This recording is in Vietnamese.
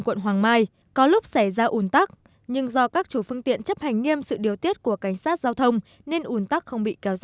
quận hoàng mai có lúc xảy ra ủn tắc nhưng do các chủ phương tiện chấp hành nghiêm sự điều tiết của cảnh sát giao thông nên ủn tắc không bị kéo dài